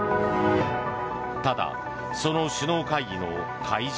ただ、その首脳会議の会場